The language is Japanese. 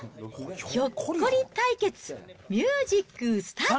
ひょっこり対決、ミュージックスタート。